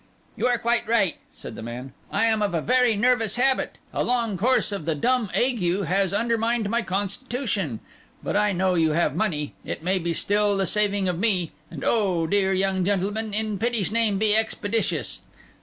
'You are quite right,' said the man. 'I am of a very nervous habit; a long course of the dumb ague has undermined my constitution. But I know you have money; it may be still the saving of me; and oh, dear young gentleman, in pity's name be expeditious!